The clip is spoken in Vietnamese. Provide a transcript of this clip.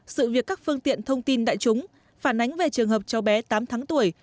sự việc các phương tiện thông tin đại chúng phản ánh về trường hợp cháu bé tám tháng tuổi